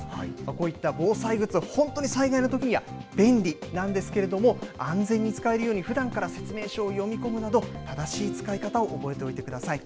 こういった防災グッズは本当に災害のときには便利なんですけれども、安全に使えるように、ふだんから説明書を読み込むなど、正しい使い方を覚えておいてください。